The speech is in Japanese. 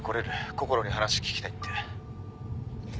こころに話聞きたいって」